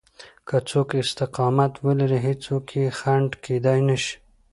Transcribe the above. که څوک استقامت ولري هېڅوک يې خنډ کېدای نشي.